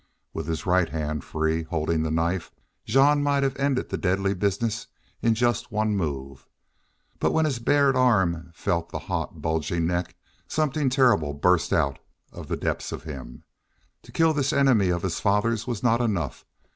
With his right hand free, holding the knife, Jean might have ended the deadly business in just one move. But when his bared arm felt the hot, bulging neck something terrible burst out of the depths of him. To kill this enemy of his father's was not enough!